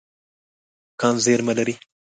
کان زیرمه لري.